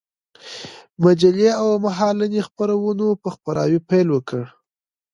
مجلې او مهالنۍ خپرونو په خپراوي پيل وكړ.